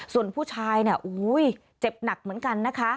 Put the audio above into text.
ส่วนผู้ชายเนี่ยเจ็บหนักเหมือนกันนะคะ